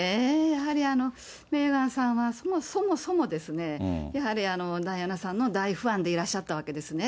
やはりメーガンさんは、そもそもですね、やはり、ダイアナさんの大ファンでいらっしゃったわけですね。